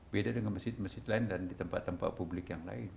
beda dengan masjid masjid lain dan di tempat tempat publik yang lain